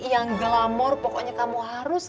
yang glamor pokoknya kamu harus